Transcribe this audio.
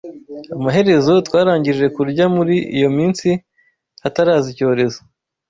Amaherezo, twarangije kurya muri iyo minsi hataraza icyorezo